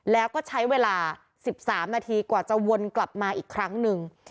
แล้วก็ใช้เวลา๑๓นาทีกว่าจะวนกลับมาอีกครั้งหนึ่ง